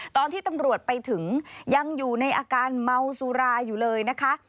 ตอนที่ตำรวจไปถึงยังอยู่ในอาการเมาสุราอยู่เลยนะคะ